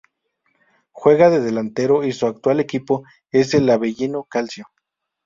Juega de delantero y su actual equipo es el Avellino Calcio.